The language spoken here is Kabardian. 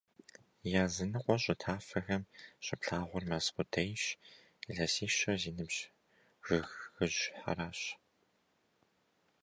Языныкъуэ щӀы тафэхэм щыплъагъур мэз къудейщ, илъэсищэ зи ныбжь жыгыжьхэрщ.